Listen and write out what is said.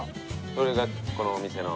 それがこのお店の。